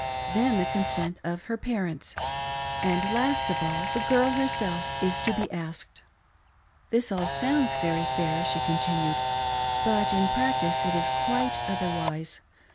Then the consent of her parents. And, last of all, the girl herself is to be asked. " This all sounds very fair," she continued, " but in prac tice it is quite otherwise.